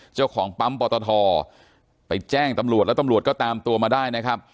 เจ้าของปั๊มปอตทไปแจ้งตำรวจแล้วตำรวจก็ตามตัวมาได้นะครับ